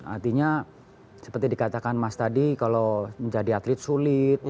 artinya seperti dikatakan mas tadi kalau menjadi atlet sulit